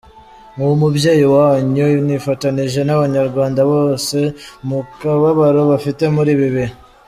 Nk’umubyeyi wanyu nifatanije n’abanyarwanda bose mukababaro bafite muri ibi bihe.